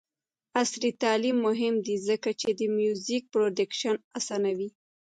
عصري تعلیم مهم دی ځکه چې د میوزیک پروډکشن اسانوي.